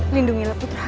lindungilah putra anda